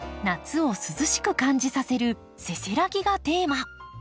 夏を涼しく感じさせる「せせらぎ」がテーマ。